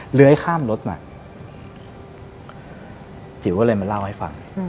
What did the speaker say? เลื้อยข้ามรถมาจิ๋วก็เลยมาเล่าให้ฟัง